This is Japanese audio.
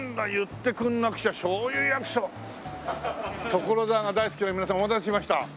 「所沢が大好きな皆様お待たせしました！」